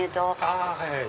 あはいはい。